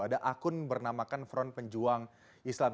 ada akun bernamakan front pejuang islam